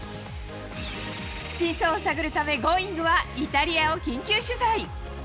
真相を探るため、Ｇｏｉｎｇ！はイタリアを緊急取材。